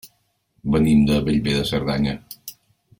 Venim de Bellver de Cerdanya.